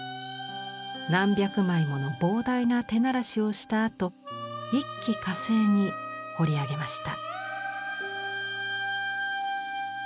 何百枚もの膨大な手慣らしをしたあと一気かせいに彫り上げました。